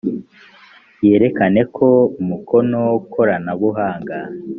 yerekane ko umukono koranabuhanga